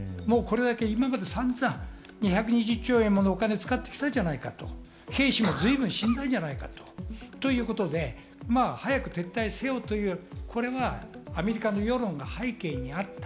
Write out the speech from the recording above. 今まで、さんざん１２０兆円ものお金を使ってきたではないか、兵士も随分死んだじゃないかということで早く撤退せよという、これはアメリカの世論が背景にあった。